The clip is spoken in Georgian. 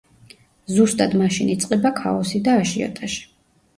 ზუსტად მაშინ იწყება ქაოსი და აჟიოტაჟი.